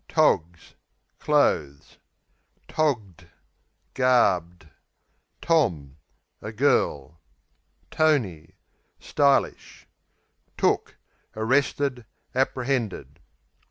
Togs Clothes. Togged Garbed. Tom A girl. Tony Stylish. Took Arrested; apprehended.